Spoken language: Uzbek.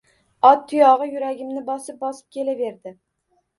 Ot tuyogʼi yuragimni bosib-bosib kelaverdi…